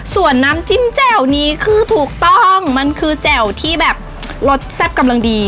ส่วนน้ำจิ้มแจ่วนี้คือถูกต้องมันคือแจ่วที่แบบรสแซ่บกำลังดี